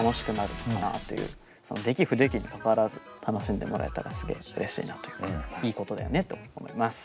出来不出来にかかわらず楽しんでもらえたらすげえうれしいなというかいいことだよねと思います！